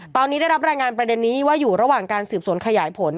ตอนนี้ได้รับรายงานประเด็นนี้ว่าอยู่ระหว่างการสืบสวนขยายผล